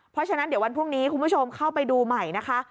เพราะฉะนั้นเดี๋ยววันพรุ่งนี้คุณผู้ชมเข้าไปดูใหม่นะคะ